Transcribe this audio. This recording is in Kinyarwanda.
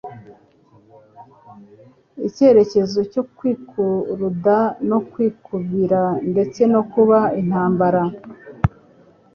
icyitegererezo cyo kwikuruda no kwikubira ndetse no kuba intababarira.